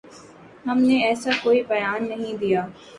ہم نے ایسا کوئی بیان نہیں دیا